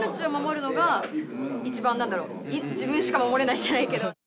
自分しか守れないじゃないけど。